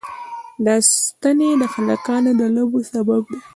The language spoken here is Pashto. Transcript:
دا ستنې د هلکانو د لوبو سبب دي.